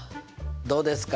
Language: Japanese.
どうですか？